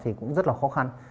thì cũng rất là khó khăn